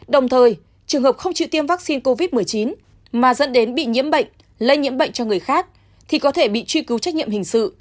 đồng thời trường hợp không chịu tiêm vaccine covid một mươi chín mà dẫn đến bị nhiễm bệnh lây nhiễm bệnh cho người khác thì có thể bị truy cứu trách nhiệm hình sự